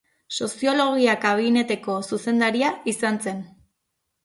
Soziologia Kabineteko zuzendaria izan zen.